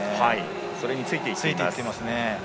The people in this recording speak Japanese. それについていっています。